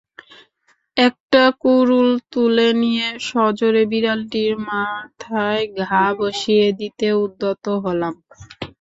একটা কুড়ুল তুলে নিয়ে সজোরে বিড়ালটির মাথায় ঘা বসিয়ে দিতে উদ্যত হলাম।